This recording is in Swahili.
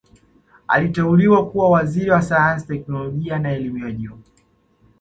Aliteuliwa kuwa Waziri wa Sayansi Teknolojia na Elimu ya Juu